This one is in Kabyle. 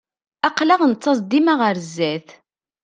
Aql-aɣ nettaẓ dima ɣer zdat.